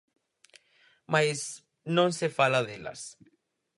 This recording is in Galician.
Mais non se fala delas.